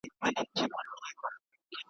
نه رقیب نه یې آزار وي وېره نه وي له اسمانه .